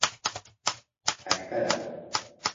ئەکتەرە.